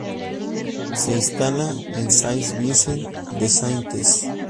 Se instala en Saint-Vincent-de-Xaintes.